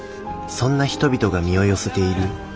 そんな人々が身を寄せている。